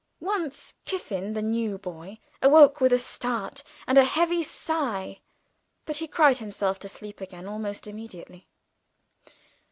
Once Kiffin, the new boy, awoke with a start and a heavy sigh, but he cried himself to sleep again almost immediately.